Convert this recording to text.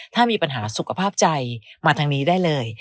ถ้ามีปัญหาสุขภาพใจมาทางนี้ได้เลย